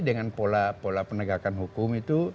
dengan pola pola penegakan hukum itu